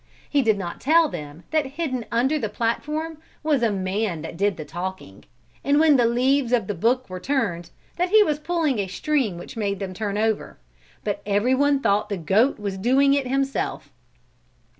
He did not tell them that hidden under the platform was a man that did the talking, and when the leaves of the book turned, that he was pulling a string which made them turn over, but everyone thought the goat was doing it himself.